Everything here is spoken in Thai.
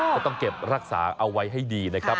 ก็ต้องเก็บรักษาเอาไว้ให้ดีนะครับ